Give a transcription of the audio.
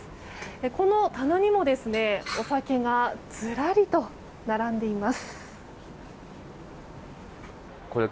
この棚にもお酒がずらりと並んでいます。